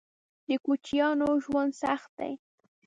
_د کوچيانو ژوند سخت دی.